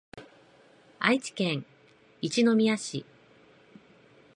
愛知県一宮市